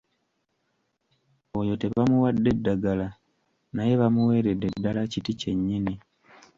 Oyo tebamuwadde ddagala, naye bamuweeredde ddala kiti kyennyini.